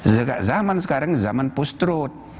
zakat zaman sekarang zaman post truth